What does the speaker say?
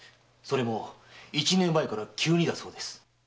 それも一年前から急にだそうです。